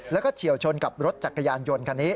แล้วก็เฉียวชนกับรถจักรยานยนต์คันนี้